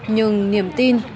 nhưng niềm tin